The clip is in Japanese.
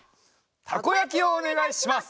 たこやきをおねがいします！